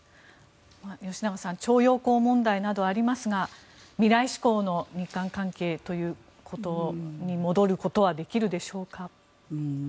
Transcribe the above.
吉永さん徴用工問題などありますが未来志向の日韓関係ということに戻ることはできるでしょうか。